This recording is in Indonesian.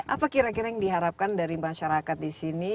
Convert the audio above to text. apa kira kira yang diharapkan dari masyarakat di sini